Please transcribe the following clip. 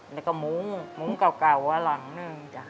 และก็หมุ้งหมุ้งเก่าว่าหลังนึง